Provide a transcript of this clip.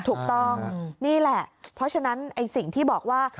ถูกต้องนี่แหละเพราะฉะนั้นไอ้สิ่งที่บอกว่า